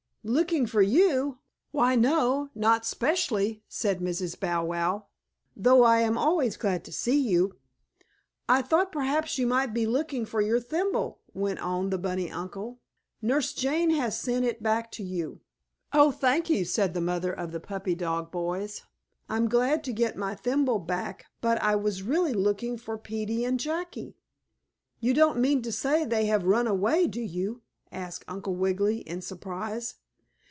"Looking for you? Why, no, not specially," said Mrs. Bow Wow, "though I am always glad to see you." "I thought perhaps you might be looking for your thimble," went on the bunny uncle. "Nurse Jane has sent it back to you." "Oh, thank you!" said the mother of the puppy dog boys. "I'm glad to get my thimble back, but I was really looking for Peetie and Jackie." "You don't mean to say they have run away, do you?" asked Uncle Wiggily, in surprise.